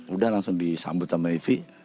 udah langsung disambut sama evi